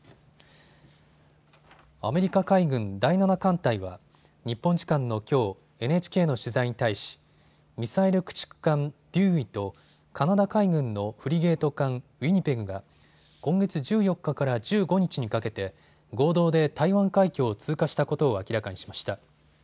アメリカ海軍第７艦隊は日本時間のきょうＮＨＫの取材に対しミサイル駆逐艦、デューイとカナダ海軍のフリゲート艦、ウィニペグが今月１４日から１５日にかけて合同で台湾海峡を通過したことを明らかにしました。